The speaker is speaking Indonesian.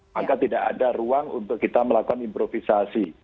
maka tidak ada ruang untuk kita melakukan improvisasi